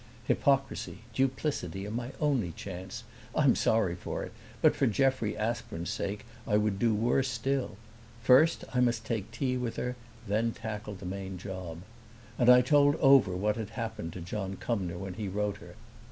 Hypocrisy, duplicity are my only chance. I am sorry for it, but for Jeffrey Aspern's sake I would do worse still. First I must take tea with her; then tackle the main job." And I told over what had happened to John Cumnor when he wrote to her.